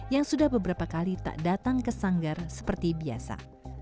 yang sudah beberapa kali tak datang ke sanggar seperti biasa